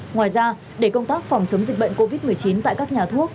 ngoài ra để công tác phòng chống dịch bệnh covid một mươi chín tại các nhà thuốc